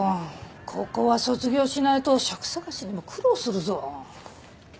高校は卒業しないと職探しにも苦労するぞ。